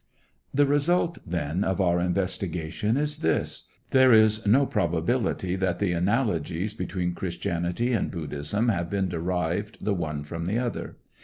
The result, then, of our investigation, is this: There is no probability that the analogies between Christianity and Buddhism have been derived the one from the other.